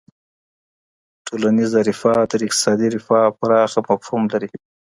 ټولنیزه رفاه تر اقتصادي رفاه پراخه مفهوم لري.